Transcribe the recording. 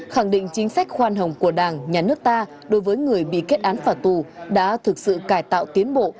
khẳng định chính sách khoan hồng của đảng nhà nước ta đối với người bị kết án phạt tù đã thực sự cải tạo tiến bộ